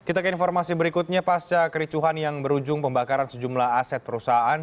kita ke informasi berikutnya pasca kericuhan yang berujung pembakaran sejumlah aset perusahaan